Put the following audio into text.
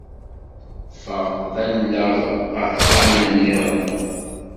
Ffɣeɣ ḍalleɣ ɣer texxamin nniḍen.